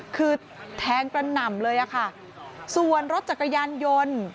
คือแทงกระหน่ำเลยอะค่ะส่วนรถจักรยานยนต์